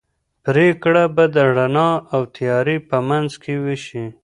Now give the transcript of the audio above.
پرېکړه به د رڼا او تیارې په منځ کې وشي.